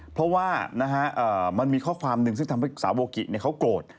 เพราะว่ามันมีข้อความหนึ่งซึ่งทำให้สาวโบกิเขาโกรธ